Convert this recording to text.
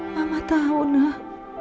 mama tahu nah